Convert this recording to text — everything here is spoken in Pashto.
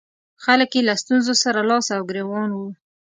خلک یې له ستونزو سره لاس او ګرېوان وو.